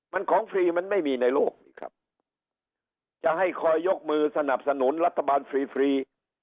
มันของฟรีมันไม่มีในโลกนี่ครับจะให้คอยยกมือสนับสนุนรัฐบาลฟรีฟรี